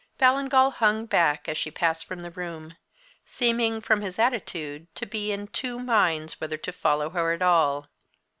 Ballingall hung back as she passed from the room, seeming, from his attitude, to be in two minds whether to follow her at all.